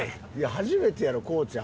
初めてやろコウちゃん。